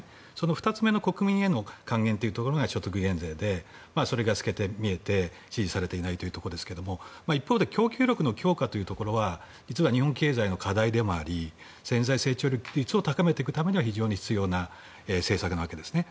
２つ目の国民への還元が所得減税でそれが透けて見えて支持されていないというところですが一方で供給力の強化は実は日本経済の課題でもあり潜在成長率を高めていくためには非常に必要な政策なわけですね。